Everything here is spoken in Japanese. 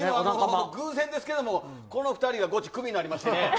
偶然ですけども、この２人がゴチ、クビになりましてね。